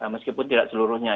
meskipun tidak seluruhnya